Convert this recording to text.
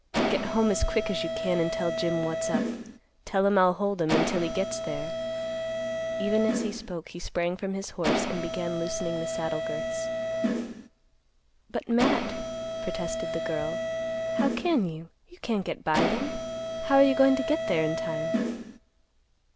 Get home as quick as you can and tell Jim what's up. Tell him I'll hold 'em until he gets there." Even as he spoke, he sprang from his horse and began loosening the saddle girths. "But, Matt," protested the girl; "how can you? You can't get by them. How're you goin' to get there in time?"